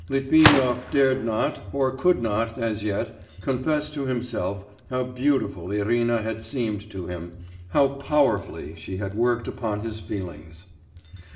Litvinov dared not, or could not as yet, confess to himself how beautiful Irina had seemed to him, how powerfully she had worked upon his feelings.